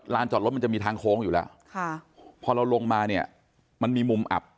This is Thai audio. จอดรถมันจะมีทางโค้งอยู่แล้วค่ะพอเราลงมาเนี่ยมันมีมุมอับ